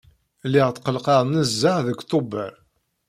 Lliɣ tqelqeq nezzeh deg Tubeṛ.